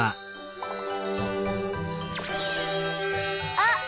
あっ！